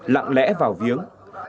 lặng lẽ vào viếng